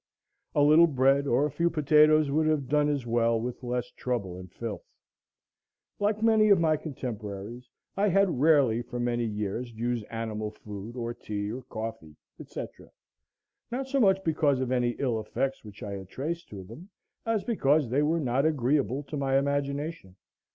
A little bread or a few potatoes would have done as well, with less trouble and filth. Like many of my contemporaries, I had rarely for many years used animal food, or tea, or coffee, &c. not so much because of any ill effects which I had traced to them, as because they were not agreeable to my imagination.